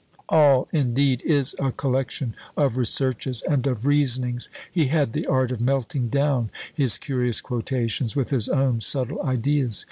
All, indeed, is a collection of researches and of reasonings: he had the art of melting down his curious quotations with his own subtile ideas.